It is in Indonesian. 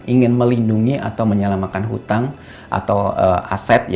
ingin melindungi atau menyelamatkan hutang atau aset